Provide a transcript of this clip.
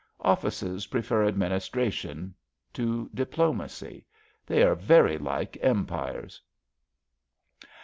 Offices prefer administration to diplomacy. They are very like Empires.